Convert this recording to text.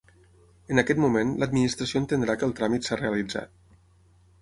En aquest moment l'Administració entendrà que el tràmit s'ha realitzat.